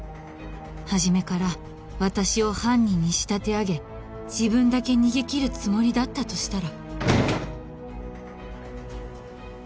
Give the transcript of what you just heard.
初めから私を犯人に仕立て上げ自分だけ逃げ切るつもりだったとしたら？